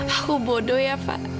aku bodoh ya pak